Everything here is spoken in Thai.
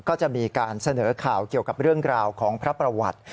ก็จะมีการเสนอข่าวเกี่ยวกับเรื่องราวของพระประวัติ